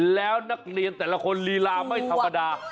แล้วนักเรียนแต่ละคนลีลาไม่ธรรมดา